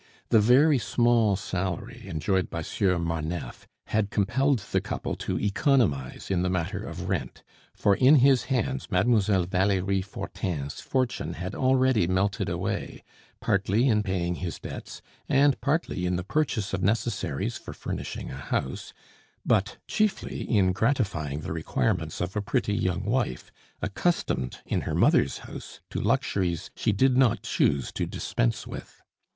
The very small salary enjoyed by Sieur Marneffe had compelled the couple to economize in the matter of rent; for in his hands Mademoiselle Valerie Fortin's fortune had already melted away partly in paying his debts, and partly in the purchase of necessaries for furnishing a house, but chiefly in gratifying the requirements of a pretty young wife, accustomed in her mother's house to luxuries she did not choose to dispense with.